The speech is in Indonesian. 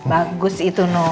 bagus itu no